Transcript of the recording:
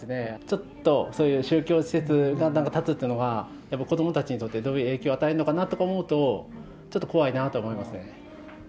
ちょっと、そういう宗教施設が、なんか建つっていうのが、やっぱり子どもたちにとって、どういう影響を与えるのかなと思うと、ちょっと怖いなと思いますね。